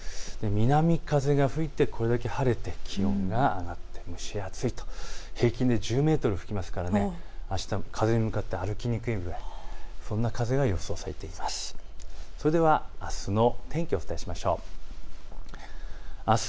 南風が吹いてこれだけ晴れて気温が上がって蒸し暑いと平均で１０メートル吹きますからあしたは風に向かって歩きにくいぐらい、そんな風が予想されています。